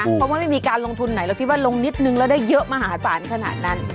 เพราะว่าไม่มีการลงทุนไหนเราคิดว่าลงนิดนึงแล้วได้เยอะมหาศาลขนาดนั้น